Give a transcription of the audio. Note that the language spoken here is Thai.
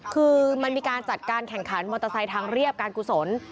คือมันมีการจัดการแข่งขันมอเตอร์ไซค์ทางเรียบการกุศล